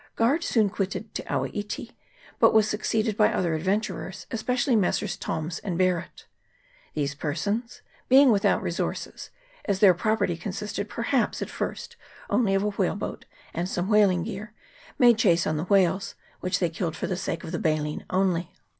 Guard soon quitted Te awa iti, but was suc ceeded by other adventurers, especially Messrs. Thorns and Barret. These persons, being without resources, as their property consisted perhaps at first only of a whale boat and some whaling gear, made chase on the whales, which they killed for the sake of the baleen only.